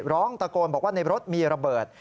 ร้องตะโกนบอกว่าในรถมีระเบิด